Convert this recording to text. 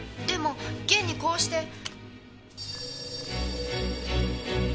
でも現にこうして。